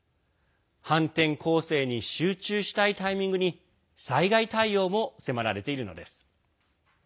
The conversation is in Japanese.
反転攻勢に集中したいタイミングに災害対応も迫られているのです。